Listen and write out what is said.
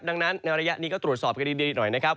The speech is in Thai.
ดังนั้นในระยะนี้ก็ตรวจสอบกันดีหน่อยนะครับ